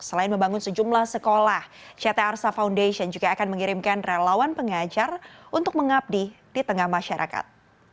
selain membangun sejumlah sekolah ct arsa foundation juga akan mengirimkan relawan pengajar untuk mengabdi di tengah masyarakat